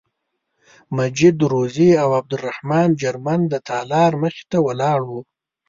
مجید روزي او عبدالرحمن جرمن د تالار مخې ته ولاړ وو.